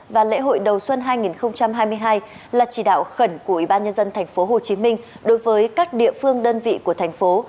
và lễ hội đầu xuân hai nghìn hai mươi hai là chỉ đạo khẩn của ủy ban nhân dân tp hcm đối với các địa phương đơn vị của thành phố